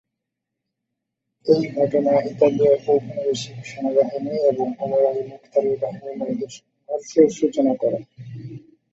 এই ঘটনা ইতালীয় ঔপনিবেশিক সেনাবাহিনী এবং ওমর আল-মুখতারের বাহিনীর মধ্যে সংঘর্ষের সূচনা করে।